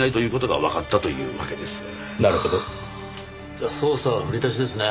じゃあ捜査はふりだしですね。